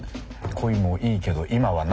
恋もいいけど今はな。